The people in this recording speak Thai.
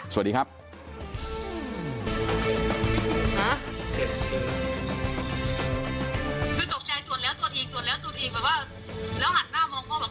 แม่แม่ฝันค่ะฝันว่า